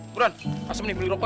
buruan kasem nih beli rokok yuk